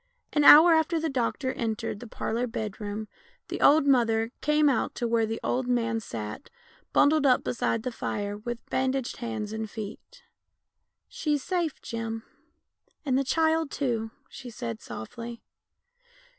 An hour after the doctor entered the parlour bed room the old mother came out to where the old man sat, bundled up beside the fire with bandaged hands and feet. " She's safe, Jim, and the child too," she said softly.